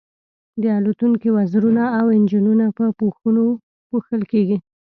د الوتکې وزرونه او انجنونه په پوښونو پوښل کیږي